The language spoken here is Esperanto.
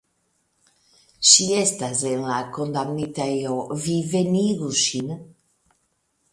Ŝi estas en la kondamnitejo, vi venigu ŝin.